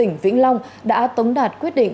và tỉnh vĩnh long đã tống đạt quyết định